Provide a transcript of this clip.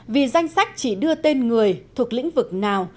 vì danh sách chỉ đưa tên người thuộc lĩnh vực nào